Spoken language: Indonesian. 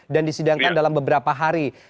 dan disidangkan dalam beberapa hari